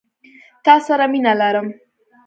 تا سره مينه لرم.